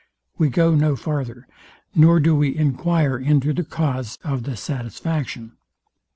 We go no farther; nor do we enquire into the cause of the satisfaction.